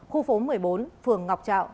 khu phố một mươi bốn phường ngọc trạo